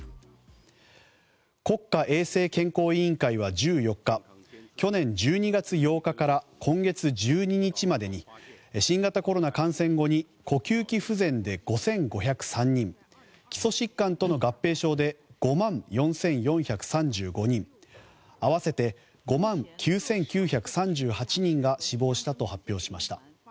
国家衛生健康委員会は、１４日去年１２月８日から今月１２日までに新型コロナ感染後に呼吸器不全で５５０３人基礎疾患との合併症で５万４４３５人合わせて５万９９３８人が死亡したと発表しました。